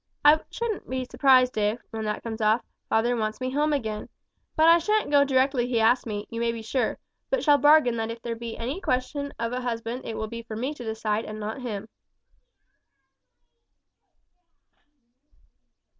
I shouldn't be surprised if, when that comes off, father wants me home again; but I sha'n't go directly he asks me, you may be sure, but shall bargain that if there be again any question of a husband it will be for me to decide and not him."